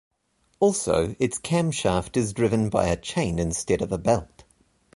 Also, its camshaft is driven by a chain instead of a belt.